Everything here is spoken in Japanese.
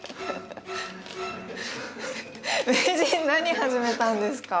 名人何始めたんですか？